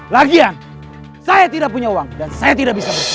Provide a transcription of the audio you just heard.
lagian saya tidak punya uang dan saya tidak bisa